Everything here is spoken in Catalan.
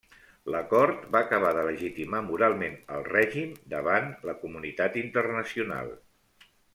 L'acord va acabar de legitimar moralment el règim davant la comunitat internacional.